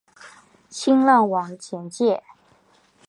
新浪网简介